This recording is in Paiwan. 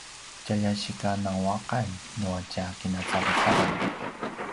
tjalja sika nanguaqan nua tja kinacavacavan